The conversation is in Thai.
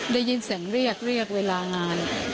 ได้ยินเสียงเรียกเรียกเวลางาน